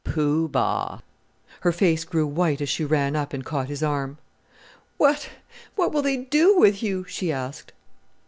Poo Bah! Her face grew white as she ran up and caught his arm. "What what will they do with you?" she asked.